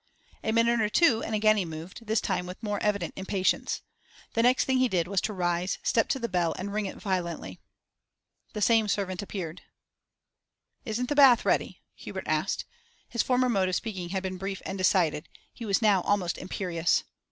A minute or two and again he moved, this time with more evident impatience. The next thing he did was to rise, step to the bell, and ring it violently. The same servant appeared. 'Isn't the bath ready?' Hubert asked. His former mode of speaking had been brief and decided; he was now almost imperious.